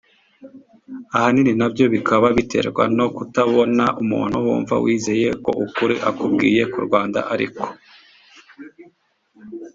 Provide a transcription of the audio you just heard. ahanini nabyo bikaba biterwa no kutabona umuntu wumva wizeye ko ukuri akubwiye ku Rwanda ari ko